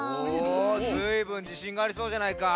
おずいぶんじしんがありそうじゃないか。